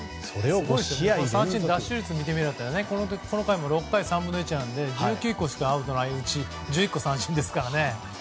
三振奪取率を見てみるとこの回も６回３分の１なので１９個しかアウトがないうち１１個の三振ですから。